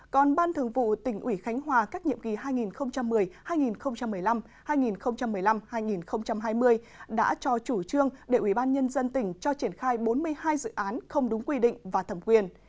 còn ban thường vụ tỉnh ủy khánh hòa các nhiệm kỳ hai nghìn một mươi hai nghìn một mươi năm hai nghìn một mươi năm hai nghìn hai mươi đã cho chủ trương để ủy ban nhân dân tỉnh cho triển khai bốn mươi hai dự án không đúng quy định và thẩm quyền